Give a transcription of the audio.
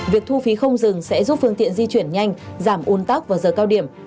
việc thu phí không dừng sẽ giúp phương tiện di chuyển nhanh giảm uốn tóc vào giờ cao điểm